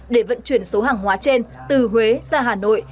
để vận chuyển số hàng hóa trên từ huế ra hà nội